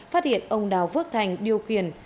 phát hiện ông đào phước thành điều khiển